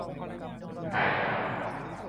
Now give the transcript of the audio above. ใครอยาก